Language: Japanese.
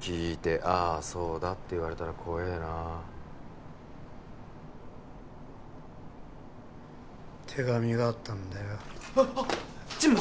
聞いて「ああそうだ」って言われたら怖えな手紙があったんだよあっはっ！